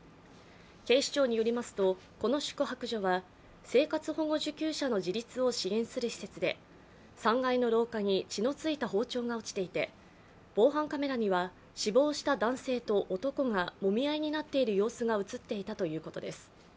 警視庁によりますと、この宿泊所は生活保護受給者の自立を支援する施設で３階の廊下に血のついた包丁が落ちていて防犯カメラには死亡した男性と男がもみ合いになっている様子が映っていたということです。